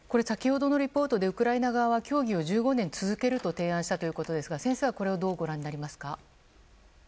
先ほどのレポートでウクライナ側が協議を１５年続けると提案したということですが先生はこれをどうご覧になりますか？